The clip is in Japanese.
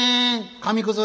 「紙くず」。